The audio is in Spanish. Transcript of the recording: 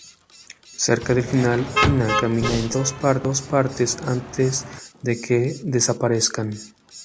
Cerca del final, Inna camina entre las dos partes antes de que desaparezcan.